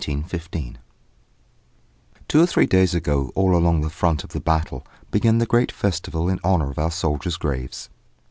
_ Two or three days ago all along the front of the battle began the great festival in honour of our soldiers' graves.